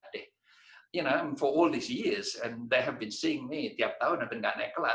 selama ini mereka melihat saya setiap tahun saya tidak naik kelas